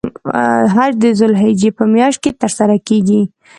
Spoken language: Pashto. حج د ذوالحجې په میاشت کې تر سره کیږی.